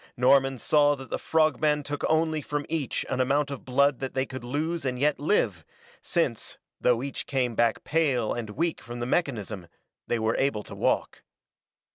Norman saw that the frog men took only from each an amount of blood that they could lose and yet live, since, though each came back pale and weak from the mechanism, they were able to walk.